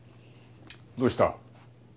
どうした？